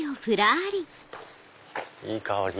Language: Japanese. いい香り。